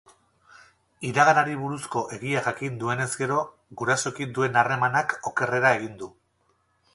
Iraganari buruzko egia jakin duenez gero, gurasoekin duen harremanak okerrera egin du.